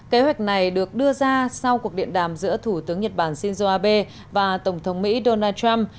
kế hoạch này được đưa ra sau cuộc điện đàm giữa thủ tướng nhật bản shinzo abe và tổng thống mỹ donald trump